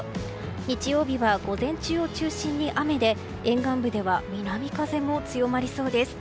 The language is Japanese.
日曜日は午前中を中心に雨で沿岸部では南風も強まりそうです。